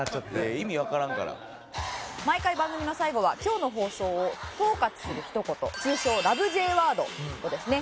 毎回番組の最後は今日の放送を統括するひと言通称「ラブ！！Ｊワード」をですね